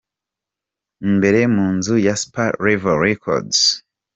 Imbere mu nzu ya Super Level Records.